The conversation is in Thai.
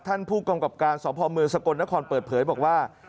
ท่านผู้กรรมกราบการสอบภอมือสกลนครเปิดเผยบอกว่า